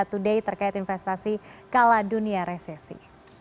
today terkait investasi kalah dunia resesi